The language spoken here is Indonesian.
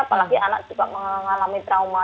apalagi anak juga mengalami trauma